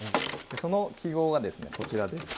その記号がですねこちらです。